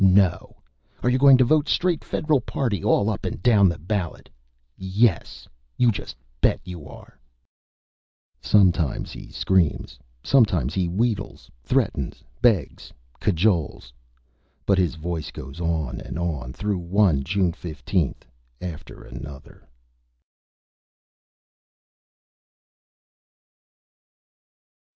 NO! Are you going to vote straight Federal Party all up and down the ballot? YES! You just bet you are!" Sometimes he screams, sometimes he wheedles, threatens, begs, cajoles ... but his voice goes on and on through one June 15th after another.